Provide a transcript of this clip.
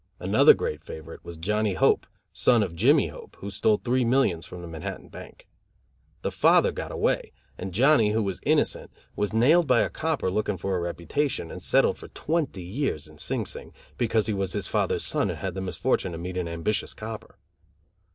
Another great favorite was Johnny Hope, son of Jimmy Hope, who stole three millions from the Manhattan Bank. The father got away, and Johnny, who was innocent, was nailed by a copper looking for a reputation, and settled for twenty years in Sing Sing, because he was his father's son and had the misfortune to meet an ambitious copper.